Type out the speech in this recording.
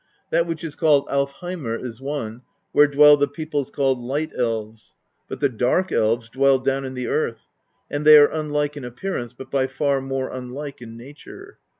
That which is called Alfheimr' is one, where dwell the peoples called Light Elves; but the Dark Elves dwell down in the earth, and they are unlike in appearance, but by far more unlike in nature.